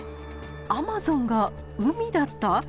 アマゾンが海だった？